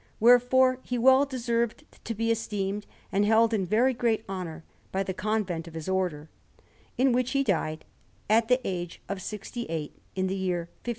Wherefore he well deserved to be esteemed and held in very great honour by the convent of his Order, in which he died at the age of sixty eight, in the year 1537.